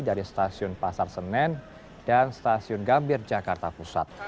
dari stasiun pasar senen dan stasiun gambir jakarta pusat